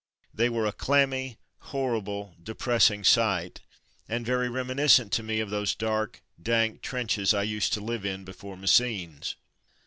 They were a clammy, horrible, depressing sight, and very reminiscent to me of those dark, dank ditches I used to live in before Messines.